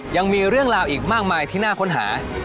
ยังมีเรื่องราวอีกมากมายที่น่าค้นหา